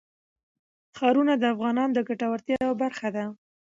ښارونه د افغانانو د ګټورتیا یوه برخه ده.